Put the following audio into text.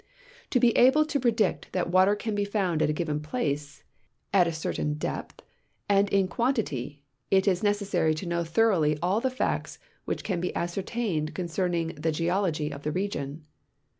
To be aide to i)re dict that water can be found at a given })lace, at a certain depth, and in quantity, it is necessary to know thoroughly all the facts which can be ascertained concerning the geology of the region.